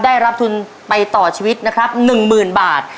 ได้รับทุนไปต่อชีวิตนะครับหนึ่งหมื่นบาท